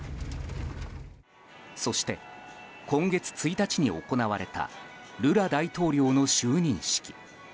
そして今月１日に行われたルラ大統領の就任式。